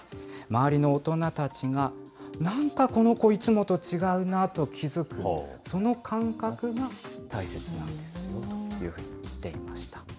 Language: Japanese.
周りの大人たちが、なんかこの子、いつもと違うなと気付く、その感覚が大切ですよというふうに言っていました。